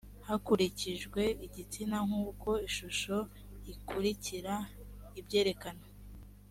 hakurikijwe igitsina nk uko ishusho ikurikira ibyerekana